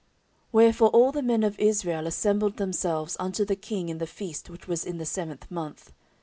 14:005:003 Wherefore all the men of Israel assembled themselves unto the king in the feast which was in the seventh month.